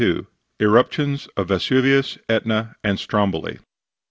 Eruptions of Vesuvius, Etna and Stromboli.